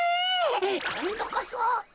こんどこそ。